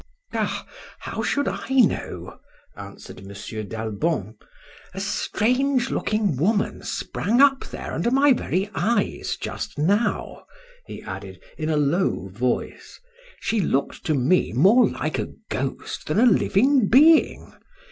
"Eh! how should I know?" answered M. d'Albon. "A strange looking woman sprang up there under my very eyes just now," he added, in a low voice; "she looked to me more like a ghost than a living being.